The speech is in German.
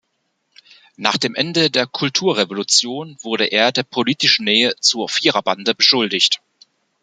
Nach dem Ende der Kulturrevolution wurde er der politischen Nähe zur Viererbande beschuldigt.